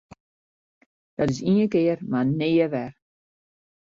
Dat is ien kear mar nea wer!